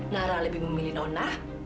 nara lebih memilih nona